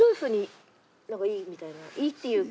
いいっていうか。